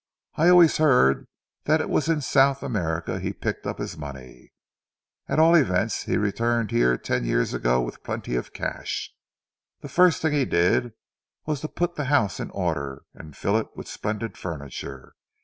I always heard that it was in South America he picked up his money. At all events he returned here ten years ago with plenty of cash. The first thing he did was to put the house in order, and fill it with splendid furniture.